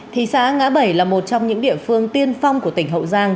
thị xã ngã bảy là một trong những địa phương tiên phong của tỉnh hậu giang